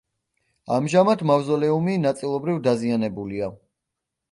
ამჟამად მავზოლეუმი ნაწილობრივ დაზიანებულია.